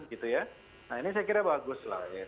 gitu ya nah ini saya kira bagus lah ya